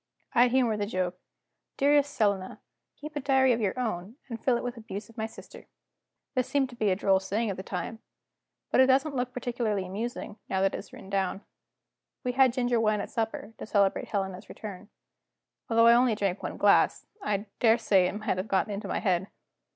I humored the joke: "Dearest Selina, keep a diary of your own, and fill it with abuse of my sister." This seemed to be a droll saying at the time. But it doesn't look particularly amusing, now it is written down. We had ginger wine at supper, to celebrate Helena's return. Although I only drank one glass, I daresay it may have got into my head.